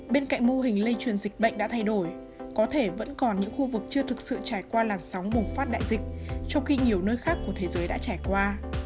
bên cạnh mô hình lây truyền dịch bệnh đã thay đổi có thể vẫn còn những khu vực chưa thực sự trải qua làn sóng bùng phát đại dịch trong khi nhiều nơi khác của thế giới đã trải qua